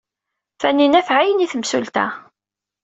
Tanina tɛeyyen i temsulta.